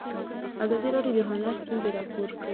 ازادي راډیو د هنر ستونزې راپور کړي.